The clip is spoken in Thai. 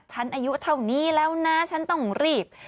อายุเท่านี้แล้วนะฉันต้องรีบ